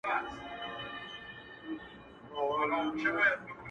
زه مي د ژوند كـتـاب تــه اور اچــــــوم;